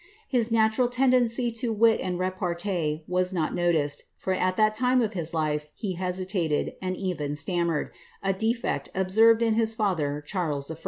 His natural tendency to wit and repartee was not noticed, for at that time of his life he hesitated, and even stammered, a defect ob Krved in his fether, Charles I.